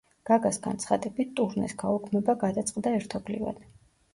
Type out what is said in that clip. გაგას განცხადებით, ტურნეს გაუქმება გადაწყდა ერთობლივად.